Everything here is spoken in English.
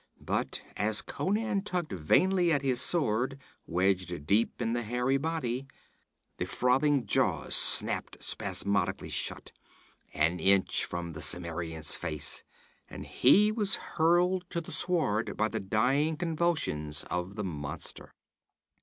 But as Conan tugged vainly at his sword, wedged deep in the hairy body, the frothing jaws snapped spasmodically shut, an inch from the Cimmerian's face, and he was hurled to the sward by the dying convulsions of the monster.